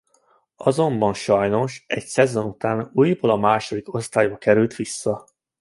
Azonban sajnos egy szezon után újból a második osztályba kerül vissza.